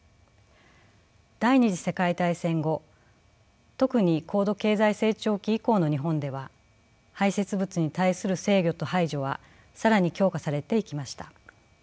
第２次世界大戦後特に高度経済成長期以降の日本では排泄物に対する制御と排除は更に強化されていきました。